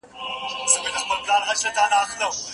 که له بدو خلګو سره دوستي وکړې نو زیان به ووینې.